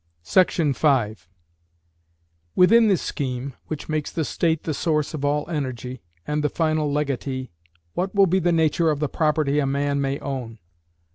Section 5 Within this scheme, which makes the State the source of all energy, and the final legatee, what will be the nature of the property a man may own?